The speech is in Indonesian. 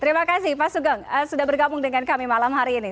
terima kasih pak sugeng sudah bergabung dengan kami malam hari ini